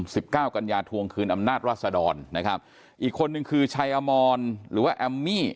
สิบเก้ากัญญาทวงคืนอำนาจราศดรนะครับอีกคนนึงคือชัยอมรหรือว่าแอมมี่